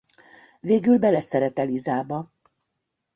Végül beleszeret Elisába.